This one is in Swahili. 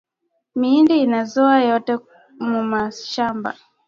Miindi inaoza yote mumashamba